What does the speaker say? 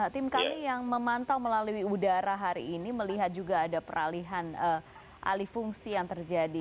tim kami yang memantau melalui udara hari ini melihat juga ada peralihan alih fungsi yang terjadi